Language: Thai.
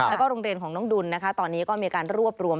แล้วก็โรงเรียนของน้องดุลนะคะตอนนี้ก็มีการรวบรวม